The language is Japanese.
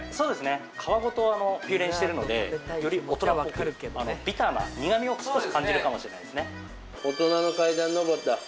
皮ごとピューレにしてるのでより大人っぽくビターな苦みを少し感じるかもしれないですね